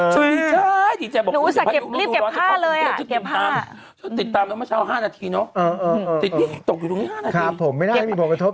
ใช่ผมไม่ได้ที่ผมกระทบ